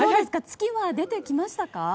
月は出てきましたか？